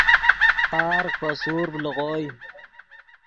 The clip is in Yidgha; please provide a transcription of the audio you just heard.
پارغ پے سورڤ لیغوئے